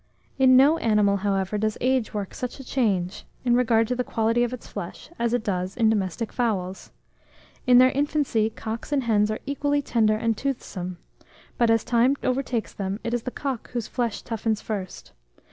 In no animal, however, does age work such a change, in regard to the quality of its flesh, as it does in domestic fowls. In their infancy, cocks and hens are equally tender and toothsome; but as time overtakes them it is the cock whose flesh toughens first.